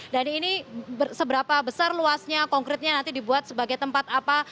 ini seberapa besar luasnya konkretnya nanti dibuat sebagai tempat apa